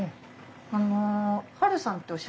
あのハルさんっておっしゃるんですか？